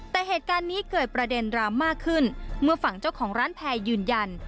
แต่เหตุการณ์นี้เกิดประเด็นดรามมากขึ้นเมื่อฝั่งเจ้าของร้านแพร่ยืนยัน